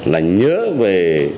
là nhớ về